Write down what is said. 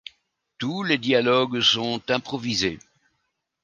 Tous les dialogues sont improvisés.